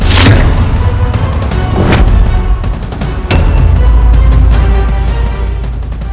kalian memilih mati